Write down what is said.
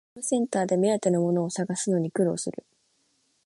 ホームセンターで目当てのものを探すのに苦労する